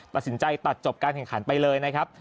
ตัดสินใจตัดจบการแข่งขันไปเลยนะครับ